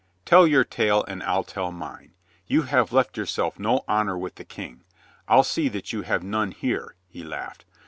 Tell your tale and I'll tell mine. You have left yourself no honor with the King. I'll see that you have none here," he laughed.